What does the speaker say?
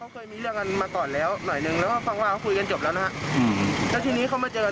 ขี่มาเจอกัน